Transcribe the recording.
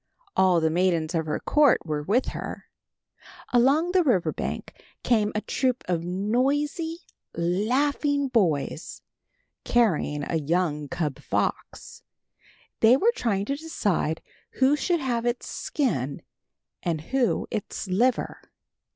All the maidens of her court were with her. Along the river bank came a troop of noisy, laughing boys, carrying a young cub fox. They were trying to decide who should have its skin and who its liver.